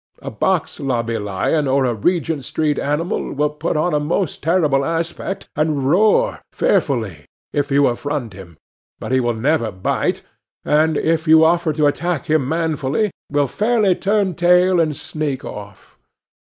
A box lobby lion or a Regent street animal will put on a most terrible aspect, and roar, fearfully, if you affront him; but he will never bite, and, if you offer to attack him manfully, will fairly turn tail and sneak off.